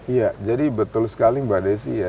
iya jadi betul sekali mbak desi ya